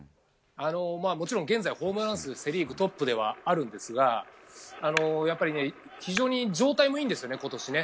もちろん現在ホームラン数セ・リーグのトップではあるんですがやっぱり今年は非常に状態もいいんですね。